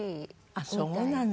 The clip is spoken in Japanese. あっそうなの。